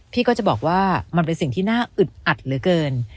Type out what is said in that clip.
พี่ก็จะบอกว่ามันเป็นสิ่งที่น่าอึดอัดเหลือเกิน